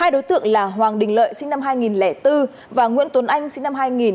hai đối tượng là hoàng đình lợi sinh năm hai nghìn bốn và nguyễn tuấn anh sinh năm hai nghìn